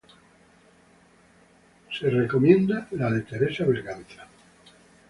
Se recomienda la de Teresa Berganza.